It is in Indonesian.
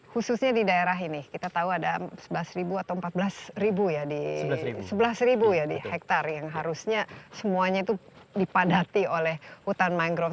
khususnya di daerah ini kita tahu ada sebelas atau empat belas ya di hektare yang harusnya semuanya itu dipadati oleh hutan mangrove